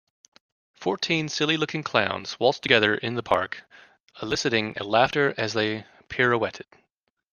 Fourteen silly looking clowns waltzed together in the park eliciting laughter as they pirouetted.